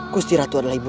kusti ratu adalah ibu